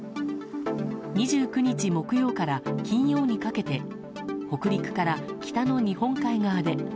２９日木曜から金曜にかけて北陸から北の日本海側で。